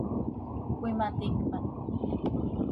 Cöimaticpan.